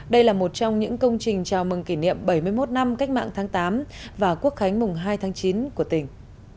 đây là một trong những công trình chào mừng kỷ niệm bảy mươi một năm cách mạng tháng tám và quốc khánh mùng hai tháng chín của tỉnh